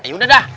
ya udah dah